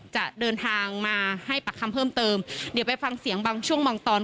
จะเดินทางมาให้ปากคำเพิ่มเติมเดี๋ยวไปฟังเสียงบางช่วงบางตอน